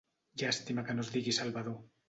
Llàstima que no es digui Salvador!